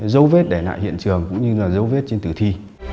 dấu vết để lại hiện trường cũng như là dấu vết trên tử thi